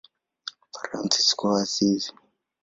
Fransisko wa Asizi.